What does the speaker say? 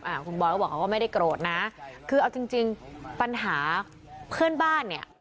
อ่าคุณบอยก็บอกเขาก็ไม่ได้โกรธนะคือเอาจริงจริงปัญหาเพื่อนบ้านเนี่ย